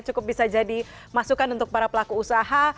cukup bisa jadi masukan untuk para pelaku usaha